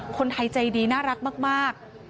คนไทยใจดีน่ารักมาก